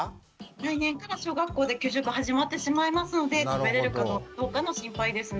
来年から小学校で給食始まってしまいますので食べれるかどうかの心配ですね。